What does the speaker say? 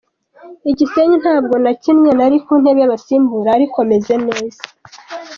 I Gisenyi ntabwo nakinnye nari ku ntebe y’abasimbura ariko meze neza.